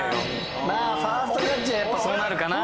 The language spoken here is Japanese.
まあファーストジャッジはやっぱそうなるかな。